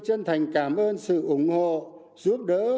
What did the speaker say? chân thành cảm ơn sự ủng hộ giúp đỡ